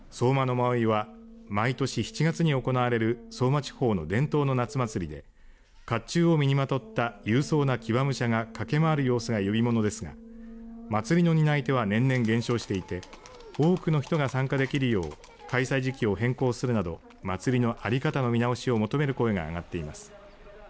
馬追は毎年７月に行われる相馬地方の伝統の夏祭りでかっちゅうを身にまとった勇壮な騎馬武者がかけ回る様子が呼び物ですが祭りの担い手は年々減少していて多くの人が参加できるよう開催時期を変更するなど祭りの在り方の見直しを求める声が上がっています。